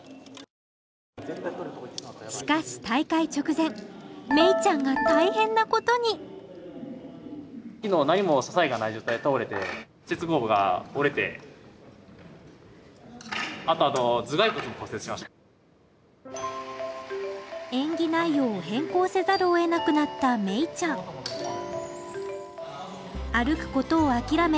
しかし大会直前芽衣ちゃんが大変なことに演技内容を変更せざるをえなくなった芽衣ちゃん歩くことを諦め